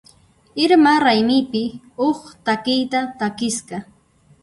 Irma raymipi huk takiyta takisqa.